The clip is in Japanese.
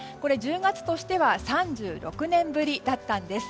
１０月としては３６年ぶりだったんです。